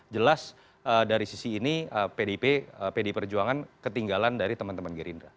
jelas dari sisi ini pdi perjuangan ketinggalan dari teman teman gerindra